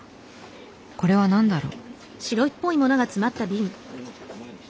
これは何だろう？